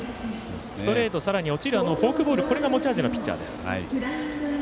ストレート、フォークボールこれが持ち味のピッチャーです。